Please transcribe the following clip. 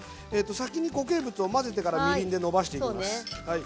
先に固形物を混ぜてからみりんでのばしていきます。